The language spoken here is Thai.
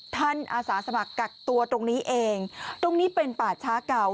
อาสาสมัครกักตัวตรงนี้เองตรงนี้เป็นป่าช้าเก่า